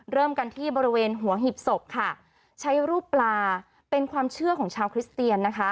เริ่มกันที่บริเวณหัวหีบศพค่ะใช้รูปปลาเป็นความเชื่อของชาวคริสเตียนนะคะ